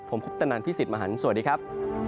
ผมคุปตนันพี่สิทธิ์มหันฯสวัสดีครับ